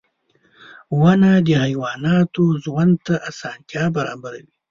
• ونه د حیواناتو ژوند ته اسانتیا برابروي.